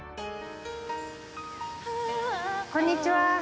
こんにちは。